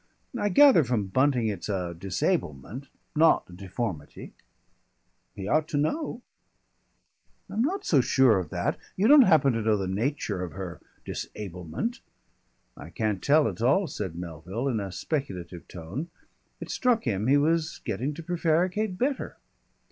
"I gather from Bunting it's a disablement not a deformity." "He ought to know." "I'm not so sure of that. You don't happen to know the nature of her disablement?" "I can't tell at all," said Melville in a speculative tone. It struck him he was getting to prevaricate better.